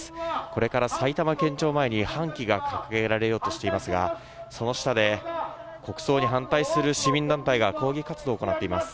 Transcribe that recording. これから埼玉県庁前に半旗が掲げられようとしていますが、その下で、国葬に反対する市民団体が抗議活動を行っています。